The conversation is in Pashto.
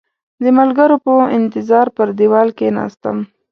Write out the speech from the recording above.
د ملګرو په انتظار پر دېوال کېناستم.